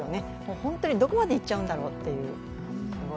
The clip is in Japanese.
本当にどこまでいっちゃうんだろうという、すごい。